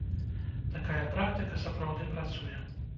Такая практыка сапраўды працуе.